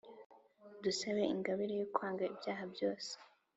dusabe ingabire yo kwanga ibyaha byose